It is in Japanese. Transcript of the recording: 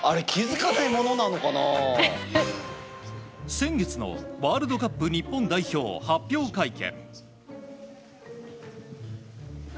先月のワールドカップ日本代表発表会見。